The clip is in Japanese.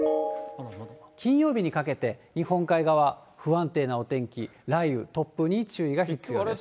金曜日にかけて、日本海側、不安定なお天気、雷雨、突風に注意が必要です。